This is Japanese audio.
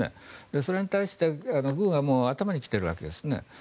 それに対して軍は頭にきているわけですね。